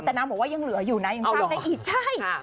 แต่น้ำบอกว่ายังเหลืออยู่ยังทำอะไรอีก